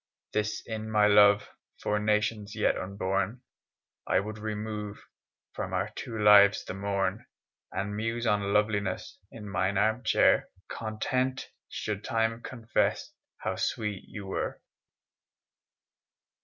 Thus in my love For nations yet unborn, I would remove From our two lives the morn, And muse on loveliness In mine armchair, Content should Time confess How sweet you were.